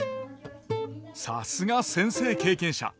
さすが先生経験者。